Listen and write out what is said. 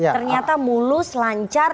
ternyata mulus lancar